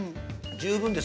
十分です。